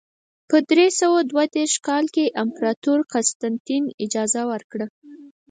په درې سوه دوه دېرش کال کې امپراتور قسطنطین اجازه ورکړه.